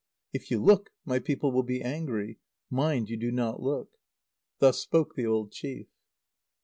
If you look, my people will be angry. Mind you do not look." Thus spoke the old chief.